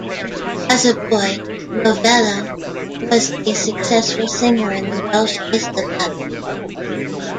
As a boy, Novello was a successful singer in the Welsh Eisteddfod.